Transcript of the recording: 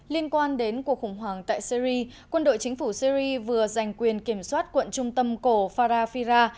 liên quan đến cuộc khủng hoảng tại syri quân đội chính phủ syri vừa giành quyền kiểm soát quận trung tâm cổ farafira